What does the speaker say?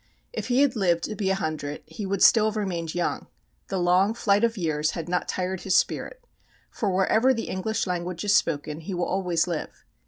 If he had lived to be a hundred he would still have remained young. The long flight of years had not tired his spirit, for wherever the English language is spoken he will always live.